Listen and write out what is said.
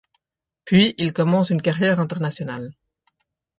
Puis il commence une carrière internationale.